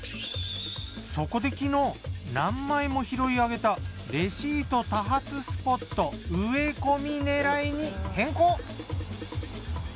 そこで昨日何枚も拾いあげたレシート多発スポット植え込み狙いに変更。